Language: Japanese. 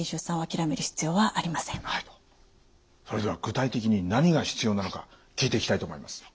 それでは具体的に何が必要なのか聞いていきたいと思います。